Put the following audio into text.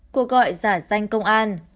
cuộc gọi giả danh công an